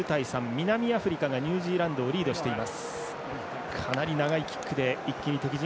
南アフリカがニュージーランドをリードしています。